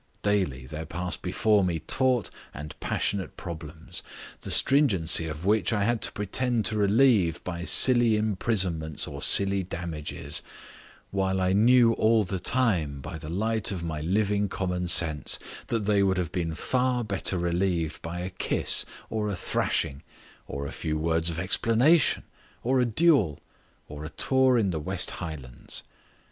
Daily there passed before me taut and passionate problems, the stringency of which I had to pretend to relieve by silly imprisonments or silly damages, while I knew all the time, by the light of my living common sense, that they would have been far better relieved by a kiss or a thrashing, or a few words of explanation, or a duel, or a tour in the West Highlands.